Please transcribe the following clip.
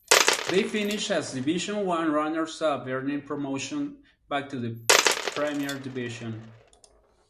They finished as Division One runners-up, earning promotion back to the Premier Division.